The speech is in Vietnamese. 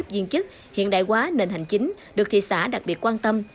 viên chức hiện đại hóa nền hành chính được thị xã đặc biệt quan tâm